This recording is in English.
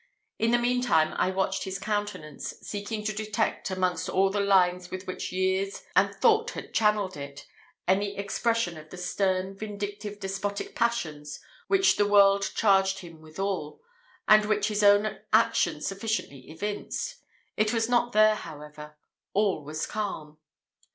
In the meantime I watched his countenance, seeking to detect, amongst all the lines with which years and thought had channelled it, any expression of the stern, vindictive, despotic passions, which the world charged him withal, and which his own actions sufficiently evinced; it was not there, however, all was calm.